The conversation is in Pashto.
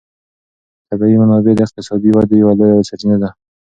طبیعي منابع د اقتصادي ودې یوه لویه سرچینه ده.